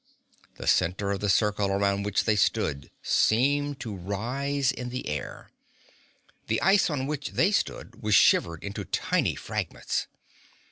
The center of the circle around which they stood seemed to rise in the air. The ice on which they stood was shivered into tiny fragments.